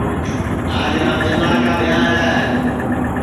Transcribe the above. آج رامچندا کا ٻیاں ہے